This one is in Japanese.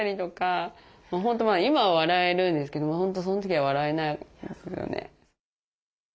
本当今は笑えるんですけど本当そのときは笑えないですよね。